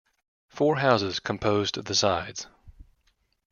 Four houses composed the sides.